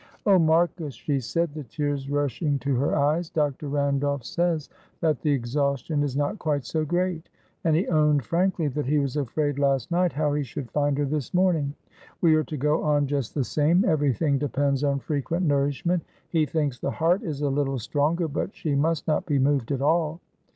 "Oh, Marcus," she said, the tears rushing to her eyes, "Dr. Randolph says that the exhaustion is not quite so great, and he owned frankly that he was afraid last night how he should find her this morning. We are to go on just the same. Everything depends on frequent nourishment; he thinks the heart is a little stronger, but she must not be moved at all.